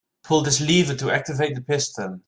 Pull this lever to activate the piston.